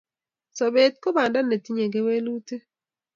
Sopet ko panda netinyei kawelutik